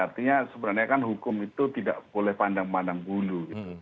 artinya sebenarnya kan hukum itu tidak boleh pandang pandang bulu